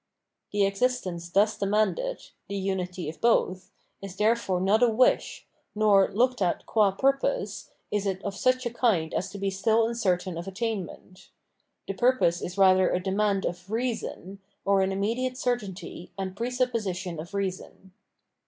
The ex istence thus demanded — the unity of both — ^is there fore not a wish, nor, looked at qm purpose, is it of such a kind as to be stOl uncertain of attainment ; the purpose is rather a demand of reason, or an imme diate certainty and presupposition of reason.